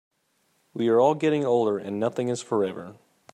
We are all getting older, and nothing is forever.